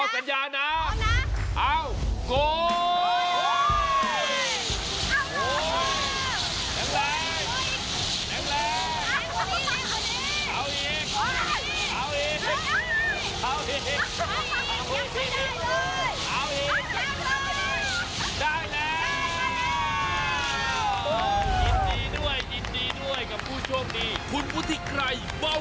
เชิญเลยคุณแม่